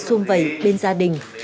xung vẩy bên gia đình